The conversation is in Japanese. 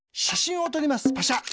パシャ。